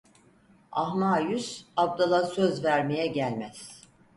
Ahmağa yüz, abdala söz vermeye gelmez.